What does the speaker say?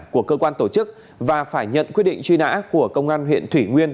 của cơ quan tổ chức và phải nhận quyết định truy nã của công an huyện thủy nguyên